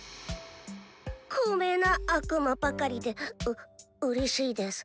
高名な悪魔ばかりでううれしいです。